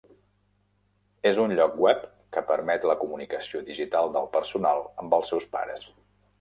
És un lloc web que permet la comunicació digital del personal amb els seus pares.